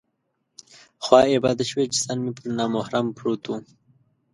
خوا یې بده شوه چې سر مې پر نامحرم پروت و.